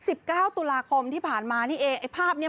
สิบเก้าตุลาคมที่ผ่านมานี่เองไอ้ภาพเนี้ย